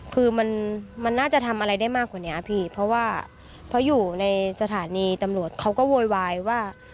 คือมันมันน่าจะทำอะไรได้มากกว่านี้พี่เพราะว่าเพราะอยู่ในสถานีตำรวจเขาก็โวยวายว่า